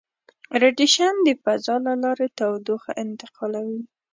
ریډیشن د فضا له لارې تودوخه انتقالوي.